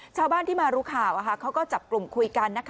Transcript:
ชาวบ้านที่มารู้ข่าวเขาก็จับกลุ่มคุยกัน